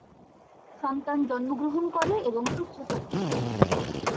সন্তান জন্মগ্রহণ করে এবং সুস্থ থাকে।